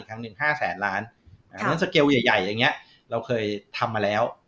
๑ครั้งหนึ่ง๕แสนล้านเกี่ยวใหญ่เราเคยทำมาแล้ว